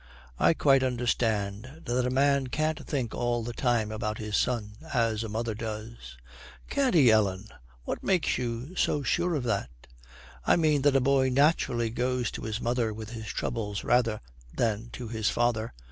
'I quite understand that a man can't think all the time about his son as a mother does.' 'Can't he, Ellen? What makes you so sure of that?' 'I mean that a boy naturally goes to his mother with his troubles rather than to his father.